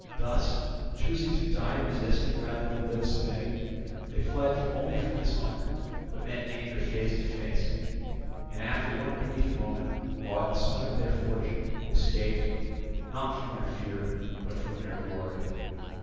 Thus choosing to die resisting, rather than to live submitting, they fled only from dishonour, but met danger face to face, and after one brief moment, while at the summit of their fortune, escaped, not from their fear, but from their glory.